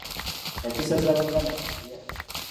Empisa z'Abaganda mu kulya.